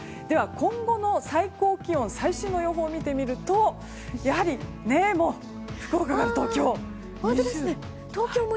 では、今後の最高気温最新の予報を見てみるとやはり、福岡と東京。